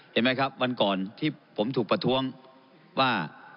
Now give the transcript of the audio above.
เห็นไหมครับวันก่อนที่ผมถูกประท้วงว่า